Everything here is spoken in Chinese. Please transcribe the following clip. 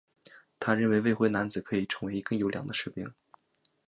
他认为未婚男子可以成为更优良的士兵。